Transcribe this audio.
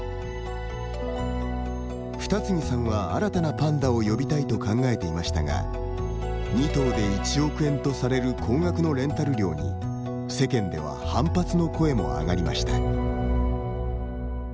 二木さんは新たなパンダを呼びたいと考えていましたが２頭で１億円とされる高額のレンタル料に世間では反発の声もあがりました。